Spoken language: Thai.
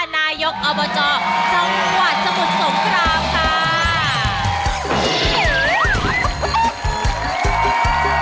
นายกอบจจังหวัดสมุทรสงครามค่ะ